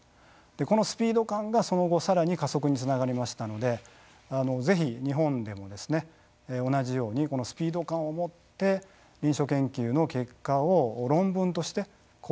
このスピード感がその後さらに加速につながりましたのでぜひ日本でも同じようにスピード感を持って臨床研究の結果を論文として公表する。